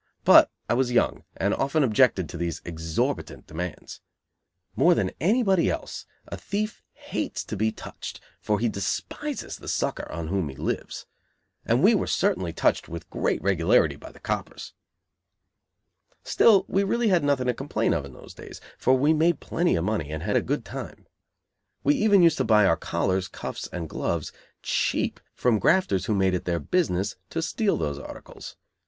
But I was young and often objected to these exorbitant demands. More than anybody else a thief hates to be "touched," for he despises the sucker on whom he lives. And we were certainly touched with great regularity by the coppers. Still, we really had nothing to complain of in those days, for we made plenty of money and had a good time. We even used to buy our collars, cuffs and gloves cheap from grafters who made it their business to steal those articles.